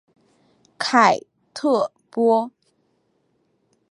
凯特波。